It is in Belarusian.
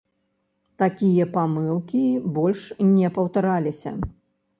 Такія памылкі больш не паўтараліся.